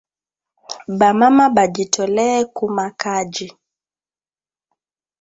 Ba mama baji toleye ku ma kaji